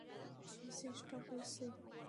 সে চেষ্টা করছে।